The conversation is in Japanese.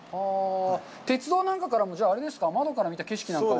鉄道なんかからも窓から見た景色なんかは。